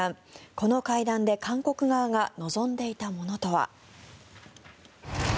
この会談で韓国側が望んでいたものとは。